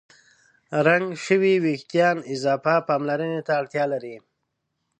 رنګ شوي وېښتيان اضافه پاملرنې ته اړتیا لري.